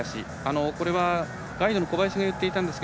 これはガイドの小林が言っていたんですが